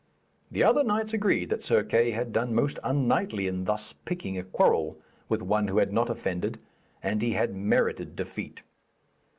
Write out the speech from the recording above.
The other knights agreed that Sir Kay had done most unknightly in thus picking a quarrel with one who had not offended, and he had merited defeat.